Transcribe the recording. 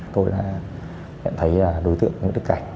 tôi đã nhận thấy đối tượng nguyễn đức cảnh